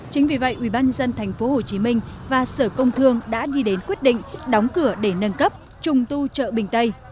chính vì vậy ubnd tp hcm và sở công thương đã đi đến quyết định đóng cửa để nâng cấp trùng tu chợ bình tây